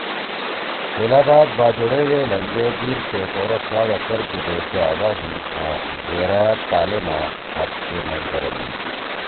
تیلا بعد باجوڑ ئے دے لھینگدے دیر، پیخور او سواتا پرکے بیشتے آباد ہُوئی آں زرأ کالے ما ہابکے میل دھرَدی۔